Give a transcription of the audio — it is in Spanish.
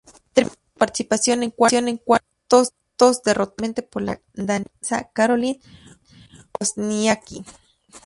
Termina su participación en cuartos derrotada ampliamente por la danesa Caroline Wozniacki.